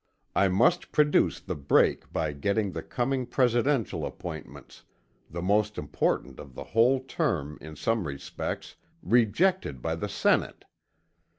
I must produce the break by getting the coming presidential appointments the most important of the whole term, in some respects rejected by the Senate.